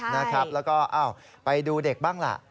แล้วก็ไปดูเด็กบ้างล่ะ